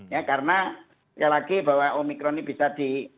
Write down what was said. ya karena sekali lagi bahwa omikron ini bisa di